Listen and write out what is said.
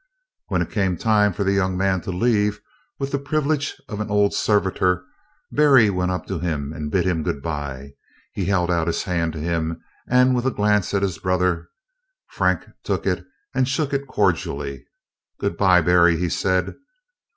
When it came time for the young man to leave, with the privilege of an old servitor Berry went up to him to bid him good bye. He held out his hand to him, and with a glance at his brother, Frank took it and shook it cordially. "Good bye, Berry," he said.